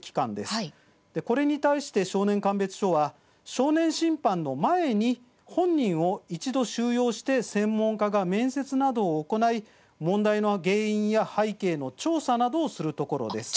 これに対して少年鑑別所は少年審判の前に本人を一度、収容して専門家が面接などを行い問題の原因や背景の調査などをするところです。